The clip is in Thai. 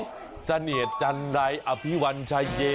ตัดตะพะเพาะสเนียจันรายอภิวัญชายเย